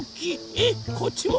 えっこっちも。